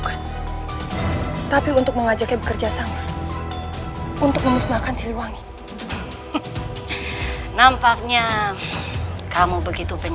kau yang ngesenang dulu